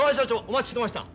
お待ちしてました！